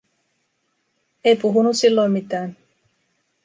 Ei puhunut silloin mitään.